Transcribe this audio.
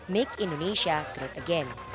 make indonesia great again